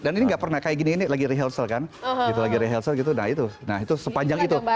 dan ini gak pernah kayak gini ini lagi rehearsal kan gitu lagi rehearsal gitu nah itu nah itu sepanjang itu